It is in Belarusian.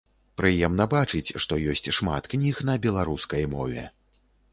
Прыемна бачыць, што ёсць шмат кніг на беларускай мове.